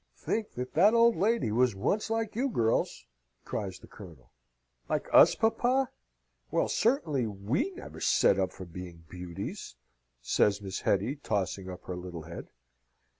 "Think that that old lady was once like you, girls!" cries the Colonel. "Like us, papa? Well, certainly we never set up for being beauties!" says Miss Hetty, tossing up her little head.